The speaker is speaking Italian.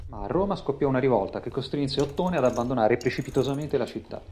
Ma a Roma scoppiò una rivolta, che costrinse Ottone ad abbandonare precipitosamente la città.